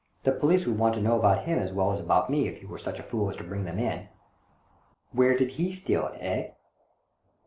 The police would want to know about him as well as about me, if you were such a fool as to bring them in. Where did he steal it, eh?"